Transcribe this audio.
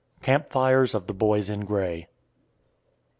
CAMP FIRES OF THE BOYS IN GRAY.